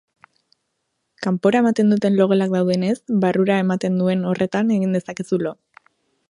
Kanpora ematen duten logelak daudenez, barrura ematen duen horretan egin dezakezu lo.